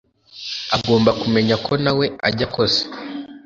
agomba kumenya ko nawe ajya akosa